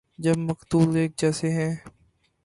جب مقتول ایک جیسے ہیں۔